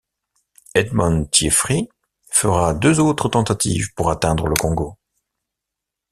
Edmond Thieffry fera deux autres tentatives pour atteindre le Congo.